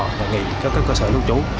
các công nghệ các cơ sở lưu trú